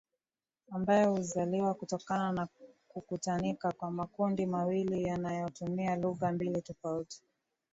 ambayo huzaliwa kutokana na kukutanika kwa makundi mawili yanayotumia lugha mbili tofauti